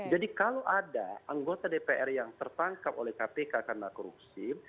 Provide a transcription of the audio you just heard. jadi kalau ada anggota dpr yang tertangkap oleh kpk karena korupsi